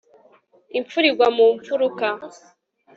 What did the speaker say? imfura igwa mu mfuruka